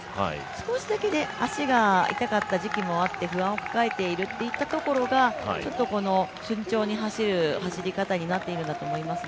少しだけ足が痛かった時期もあって、不安を抱えているところもあるというところがちょっとこの慎重に走るという走り方になってるんだと思います。